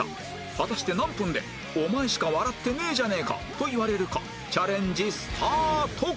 果たして何分で「お前しか笑ってねえじゃねえか！」と言われるかチャレンジスタート！